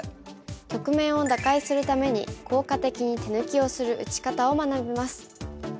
局面を打開するために効果的に手抜きをする打ち方を学びます。